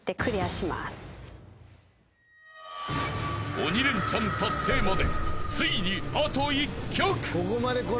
［鬼レンチャン達成までついにあと１曲］